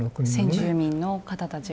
先住民の方たちが。